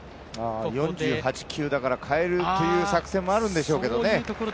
４８球だから代えるという作戦もあるんでしょうけどね。